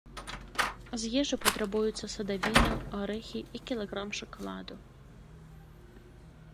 З ежы патрабуюцца садавіна, арэхі і кілаграм шакаладу.